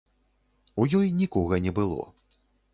У ёй нікога не было.